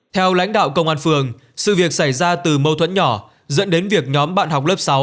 theo lãnh đạo công an phường sự việc xảy ra từ mâu thuẫn nhỏ dẫn đến việc nhóm bạn học lớp sáu